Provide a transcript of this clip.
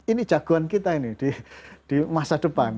ini jagoan kita ini di masa depan